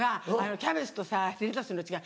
キャベツとレタスの違い！